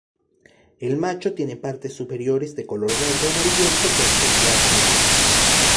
El macho tiene partes superiores de color verde amarillento con veteado negruzco.